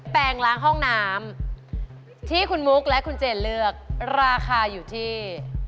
แปลงล้างห้องน้ำที่คุณมุกและคุณเจนเลือกราคาอยู่ที่